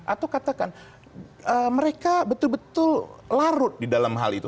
atau katakan mereka betul betul larut di dalam hal itu